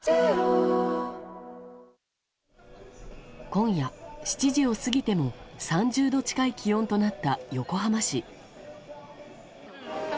今夜、７時を過ぎても３０度近い気温となった横浜市。